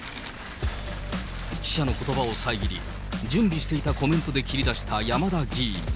記者のことばを遮り、準備していたコメントで切り出した山田議員。